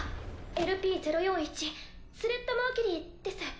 ＬＰ０４１スレッタ・マーキュリーです。